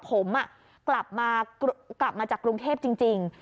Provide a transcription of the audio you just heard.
ผมกลับมาจากกรุงเทพจริง